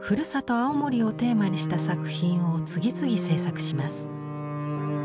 青森をテーマにした作品を次々制作します。